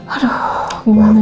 aduh gimana ya